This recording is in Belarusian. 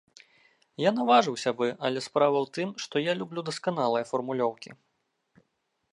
Я наважыўся бы, але справа ў тым, што я люблю дасканалыя фармулёўкі.